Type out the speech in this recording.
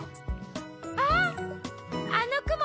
あっあのくも